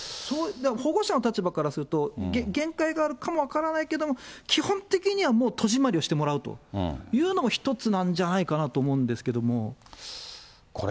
だから保護者の立場からすると、限界があるかも分からないけれども、基本的にはもう、戸締りをしてもらうというのも一つなんじゃないかなと思うんですこれ、